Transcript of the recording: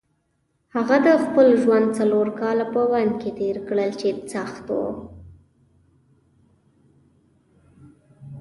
هغه د خپل ژوند څلور کاله په بند کې تېر کړل چې سخت وو.